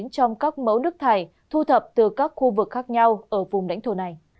trong các mẫu nước thải thu thập từ các khu vực khác nhau ở vùng lãnh thổ này